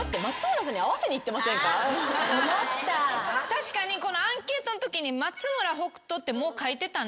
確かにこのアンケートのときに「松村北斗」ってもう書いてた。